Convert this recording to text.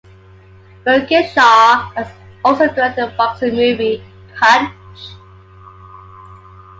Birkinshaw has also directed the boxing movie "Punch".